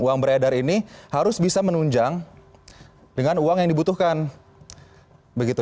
uang beredar ini harus bisa menunjang dengan uang yang dibutuhkan begitu